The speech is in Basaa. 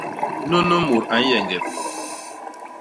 Nunu mut a nyeñgep.